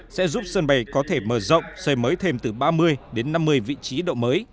sẽ giúp sân bay có thể mở rộng xây mới thêm từ ba mươi đến năm mươi vị trí độ mới